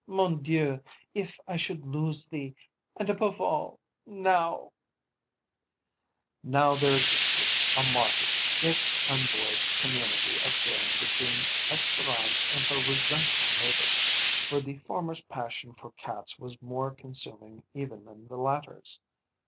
Mon Dieu, if I should lose thee, and above all, now!" Now there existed a marked, if unvoiced, community of feeling between Espérance and her resentful neighbour, for the former's passion for cats was more consuming even than the latter's.